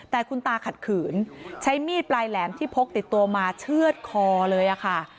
แต่คุณตาขัดขืนใช้มีดปลายแหลมที่พกติดตัวมาเชื่อดคอเลยค่ะ